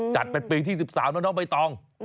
จัดเป็นปีที่๑๓นะน้องใบตอง